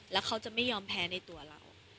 แล้วเขาจะไม่ยอมแพ้ในตัวเรา